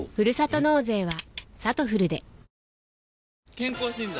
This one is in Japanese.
健康診断？